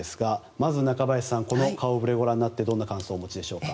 まず中林さんこの顔ぶれをご覧になってどんな感想をお持ちでしょうか。